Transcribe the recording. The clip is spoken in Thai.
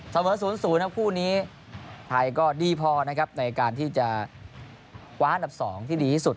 สมมุติศูนย์ครับคู่นี้ไทยก็ดีพอในการที่จะกว้าดับ๒ที่ดีที่สุด